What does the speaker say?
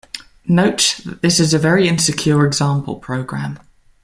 Note that this is a very insecure example program.